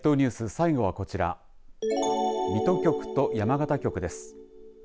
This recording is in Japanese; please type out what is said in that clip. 最後はこちら水戸局と山形局です。